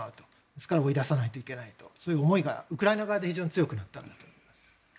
ですから追い出さなきゃいけないというそういう思いがウクライナ側で非常に強くなったんだと思います。